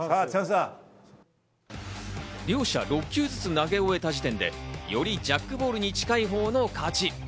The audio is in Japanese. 両者６球ずつ投げ終えた時点でよりジャックボールに近いほうの勝ち。